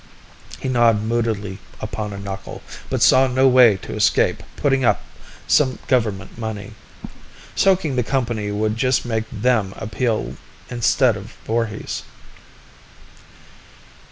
He gnawed moodily upon a knuckle, but saw no way to escape putting up some government money. Soaking the company would just make them appeal instead of Voorhis.